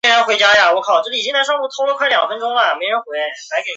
下分七个乡。